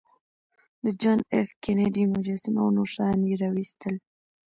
د جان ایف کینیډي مجسمه او نور شیان یې راویستل